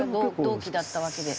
同期だったわけで。